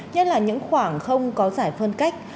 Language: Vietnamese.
nhất là những khoảng không có giải phân cách